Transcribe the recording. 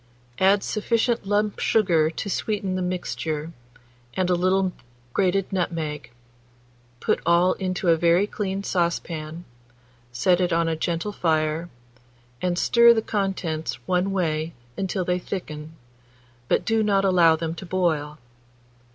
Add sufficient lump sugar to sweeten the mixture, and a little grated nutmeg; put all into a very clean saucepan, set it on a gentle fire, and stir the contents one way until they thicken, but do not allow them to boil.